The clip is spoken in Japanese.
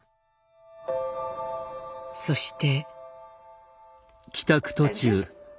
そして。